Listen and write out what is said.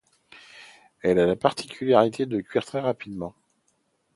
Elles ont la particularité de cuire très rapidement.